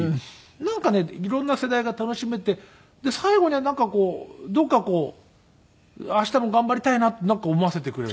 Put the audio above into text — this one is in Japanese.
なんかね色んな世代が楽しめてで最後にはなんかこうどこかこう明日も頑張りたいなってなんか思わせてくれる。